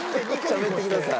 しゃべってください。